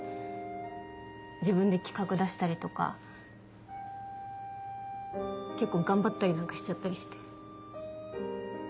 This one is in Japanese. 自分で企画出したりとか結構頑張ったりなんかしちゃったりして。